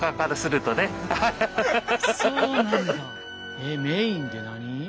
えメインって何？